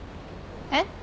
えっ？